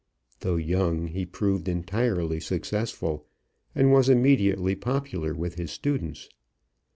Though young, he proved entirely successful, and wan immensely popular with his students.